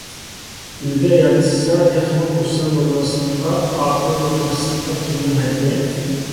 ئۈلگە يارىتىشسا تېخىمۇ خۇرسەن بولماسلىققا، ئاپىرىن ئوقۇماسلىققا كىمنىڭ ھەددى!؟